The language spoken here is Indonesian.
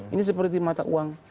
ini seperti mata uang